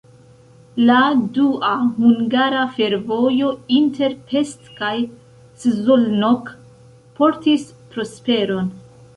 La dua hungara fervojo inter Pest kaj Szolnok portis prosperon.